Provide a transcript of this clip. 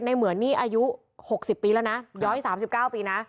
ในเหมือนนี่อายุหกสิบปีแล้วนะย้อยสามสิบเก้าปีน่ะ